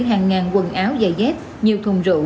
hàng ngàn quần áo dài dép nhiều thùng rượu